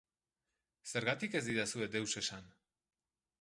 Zergatik ez didazue deus esan?